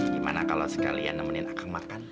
gimana kalau sekalian nemenin akan makan